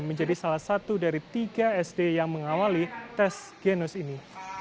menjadi salah satu dari tiga sd yang mengawali tes genos ini